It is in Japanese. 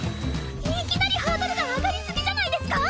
いきなりハードルが上がりすぎじゃないですか！？